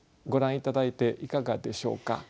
ご覧頂いていかがでしょうか？